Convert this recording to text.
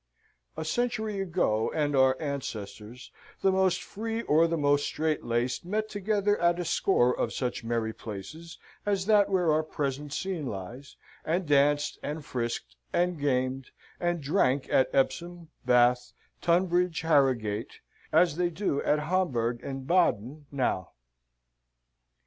A century ago, and our ancestors, the most free or the most straitlaced, met together at a score of such merry places as that where our present scene lies, and danced, and frisked, and gamed, and drank at Epsom, Bath, Tunbridge, Harrogate, as they do at Homburg and Baden now.